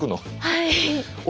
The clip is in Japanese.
はい。